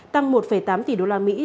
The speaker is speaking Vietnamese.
tăng một tám tỷ đô la mỹ